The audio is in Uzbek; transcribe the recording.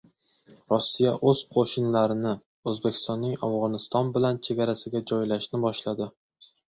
Rossiya o‘z qo‘shinlarini O‘zbekistonning Afg‘oniston bilan chegarasiga joylashni boshladi